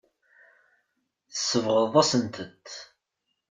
Tsebɣeḍ-asen-tent.